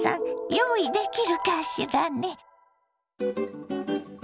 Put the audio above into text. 用意できるかしらね？